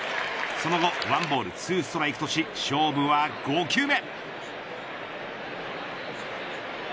その後１ボール２ストライクとし勝負は５球目。